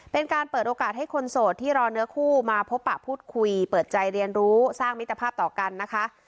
เป็นการเปิดโอกาสให้คนโสดที่รอเนื้อคู่มาพบปะพูดคุยเปิดใจเรียนรู้สร้างมิตรภาพต่อกันนะคะ